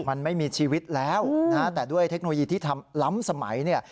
มันไม่มีชีวิตแล้วนะฮะแต่ด้วยเทคโนโลยีที่ทำล้ำสมัยเนี่ย